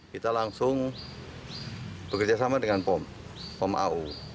kita langsung bekerjasama dengan pom pom au